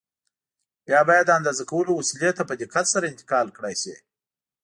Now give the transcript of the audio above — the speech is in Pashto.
بیا باید د اندازه کولو وسیلې ته په دقت سره انتقال کړای شي.